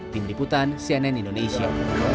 tim liputan cnn indonesia